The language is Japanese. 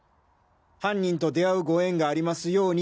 「犯人と出会うご縁がありますように」